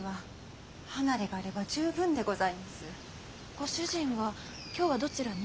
ご主人は今日はどちらに？